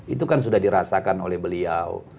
itu kan sudah dirasakan oleh beliau